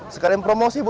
sekalian promosi bu